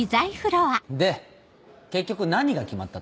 で結局何が決まったと。